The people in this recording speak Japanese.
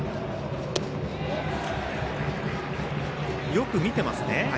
よく見てますね。